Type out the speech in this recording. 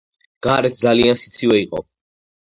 გარეთ ძალიან სიცივე იყო